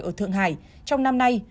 ở thượng hải trong năm nay